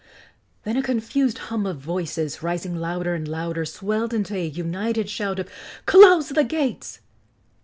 Then a confused hum of voices, rising louder and louder, swelled into a united shout of "Close the gates!"